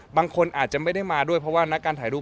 บางคนอาจจะไม่ได้มาด้วยเพราะว่านักการถ่ายรูป